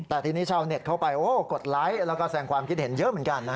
แต่ทีนี้ชาวเน็ตเข้าไปกดไลค์แล้วก็แสงความคิดเห็นเยอะเหมือนกันนะ